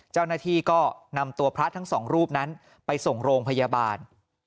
เจ้าหน้าที่ก็นำตัวพระทั้งสองรูปนั้นไปส่งโรงพยาบาล